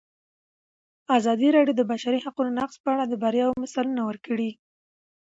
ازادي راډیو د د بشري حقونو نقض په اړه د بریاوو مثالونه ورکړي.